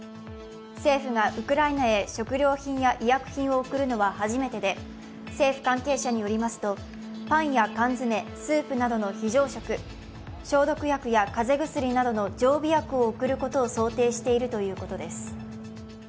政府がウクライナへ食料品や医薬品を送るのは初めてで、政府関係者によりますとパンや缶詰、スープなどの非常食消毒薬や風邪薬などの常備薬を送ることを想定しているということです。